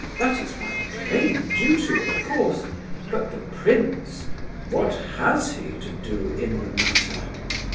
"That is my plain duty, of course; but the prince—what has he to do in the matter?"